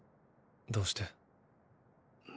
どうして？。